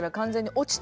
落ちた。